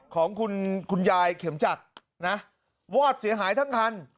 ของคุณยายเข็มจักรนะวอดเสียหายทั้งคัน